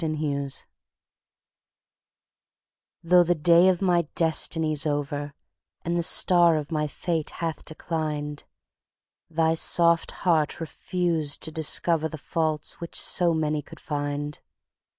To Augusta THOUGH the day of my destiny's over, And the star of my fate hath declined, Thy soft heart refused to discoverThe faults which so many could find.